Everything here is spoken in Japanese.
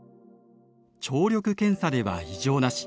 聴力検査では異常なし。